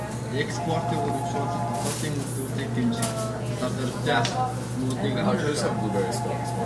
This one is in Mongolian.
Экспортыг урамшуулах, дотоодын үйлдвэрлэлийг дэмжих талаар дорвитой алхмуудыг амлалаа.